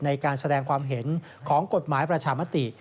ในการแสดงความเห็นของกฎหมายประชามติ